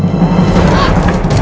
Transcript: tindakan terima nih